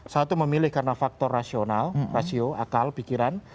satu memilih karena faktor rasional rasio akal pikiran